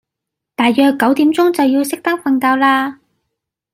大約九點鐘就要熄燈瞓覺嘞